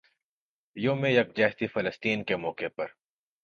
یوم یکجہتی فلسطین کے موقع پر